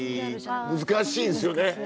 難しいですよね。